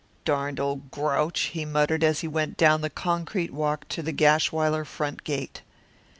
"Darned old grouch!" he muttered as he went down the concrete walk to the Gashwiler front gate.